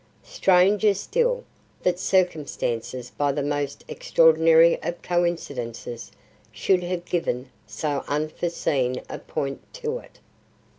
Stranger still, that circumstances by the most extraordinary of coincidences, should have given so unforeseen a point to it."